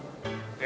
え？